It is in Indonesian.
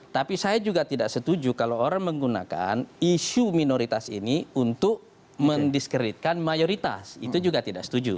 tapi saya juga tidak setuju kalau orang menggunakan isu minoritas ini untuk mendiskreditkan mayoritas itu juga tidak setuju